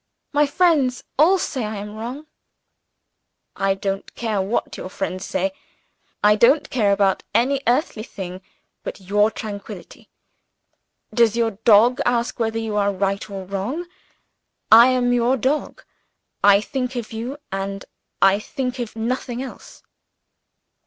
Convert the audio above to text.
My friends all say I am wrong." "I don't care what your friends say; I don't care about any earthly thing but your tranquillity. Does your dog ask whether you are right or wrong? I am your dog. I think of You, and I think of nothing else."